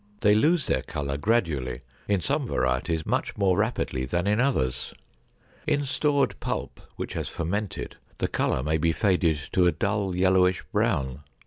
They lose their color gradually, in some varieties much more rapidly than in others. In stored pulp which has fermented, the color may be faded to a dull yellowish brown.